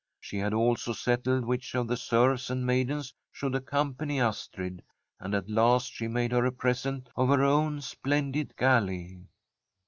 She had also settled which of the serfs and maidens should accompany Astrid, and at last she made her a present of her own splendid galley.